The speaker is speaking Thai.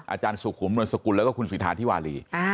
อาจารย์สุขุมนวลสกุลแล้วก็คุณสิทธาธิวารี